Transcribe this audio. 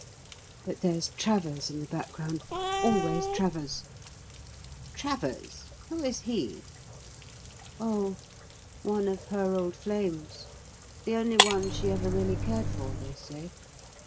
But there's Travers in the background always Travers." "Travers! Who is he?" "Oh, one of her old flames, the only one she ever really cared for, they say.